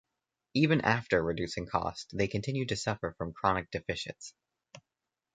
Even after reducing costs, they continued to suffer from chronic deficits.